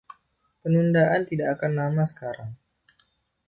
Penundaan tidak akan lama sekarang.